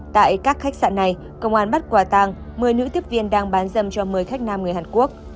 tại các khách sạn này công an bắt quả tàng một mươi nữ tiếp viên đang bán dâm cho một mươi khách nam người hàn quốc